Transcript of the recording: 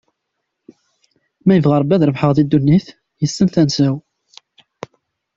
Ma yebɣa Rebbi ad rebḥeɣ deg ddunit, yessen tansa-w.